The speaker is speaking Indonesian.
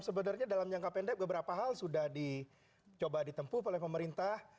sebenarnya dalam jangka pendek beberapa hal sudah dicoba ditempuh oleh pemerintah